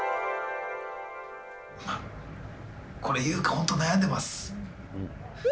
これ言うか本当、悩んでます。